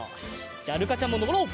じゃあるかちゃんものぼろう！